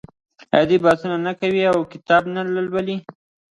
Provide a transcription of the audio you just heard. آیا دوی بحثونه نه کوي او کتاب نه لوالي؟